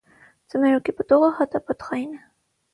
Ձմերուկի պտուղը հատապտղային է։